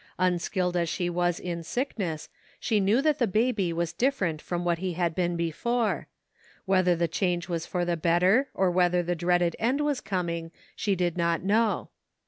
Unskilled as she was in sickness, she knew that the Baby was different from what he had been before ; whether the change was for the better, or whether the dreaded end was coming she did not know.